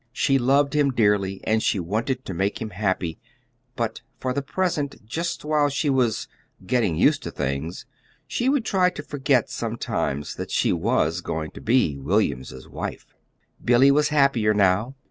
She loved him dearly, and she wanted to make him happy; but for the present just while she was "getting used to things" she would try to forget, sometimes, that she was going to be William's wife. Billy was happier now.